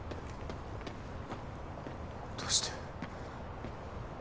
どうして？